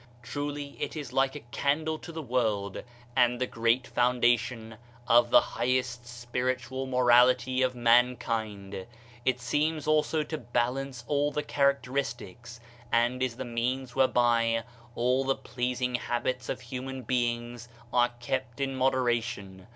Truly it is like a candle to the world, and the great foundation of the highest spiritual morality of mankind! It seems also to balance all characteristics and is the means where by all the pleasing habits of human beings are kept in moderation.